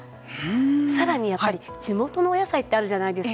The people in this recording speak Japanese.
さらにやっぱり地元のお野菜ってあるじゃないですか。